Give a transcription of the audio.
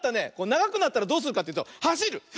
ながくなったらどうするかっていうとはしる！